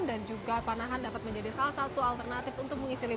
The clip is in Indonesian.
dan juga panahan dapat menjadi salah satu alternatif untuk berjalan